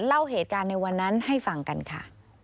เล่าเหตุการณ์ในวันนั้นให้ฟังกันค่ะ